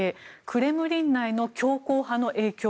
クレムリン内の強硬派の影響